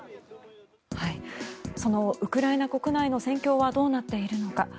そのウクライナ国内の戦況はどうなっているのか。